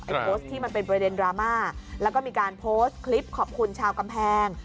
โพสต์ที่มันเป็นประเด็นดราม่าแล้วก็มีการโพสต์คลิปขอบคุณชาวกำแพง